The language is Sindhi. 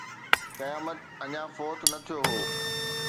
قيامت اڃا فوت نه ٿيو هو